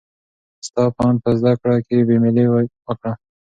ستا په اند په زده کړه کې بې میلي ولې پیدا کېږي؟